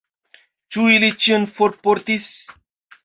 Ĉu ili ĉion forportis?